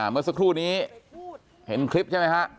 เมื่อสักครู่นี้เห็นคลิปใช่ไหมฮะ